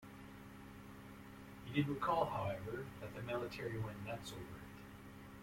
He did recall, however, that the military went nuts over it.